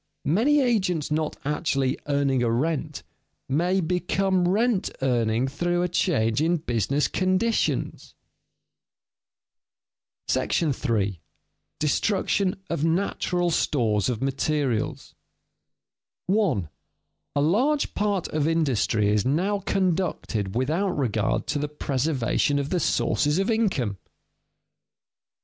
Many agents not actually earning a rent, may become rent earning through a change in business conditions. § III. DESTRUCTION OF NATURAL STORES OF MATERIALS [Sidenote: Destruction of the American forests] 1. _A large part of industry is now conducted without regard to the preservation of the source of income.